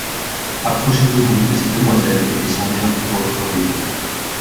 Approchez-vous donc de ces demoiselles, et descendez un peu votre rideau.